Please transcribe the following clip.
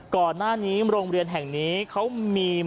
ก่อนหน้านี้โรงเรียนแห่งนี้เขามีเมนูอย่าง